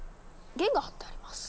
弦が張ってあります。